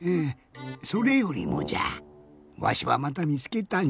それよりもじゃわしはまたみつけたんじゃよ。